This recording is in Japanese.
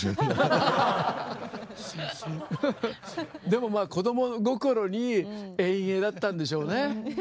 でもまあ子供心に遠泳だったんでしょうね。